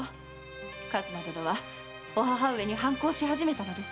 数馬殿はお母上に反抗し始めたのです。